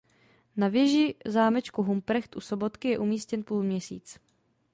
Na věži zámečku Humprecht u Sobotky je umístěn půlměsíc.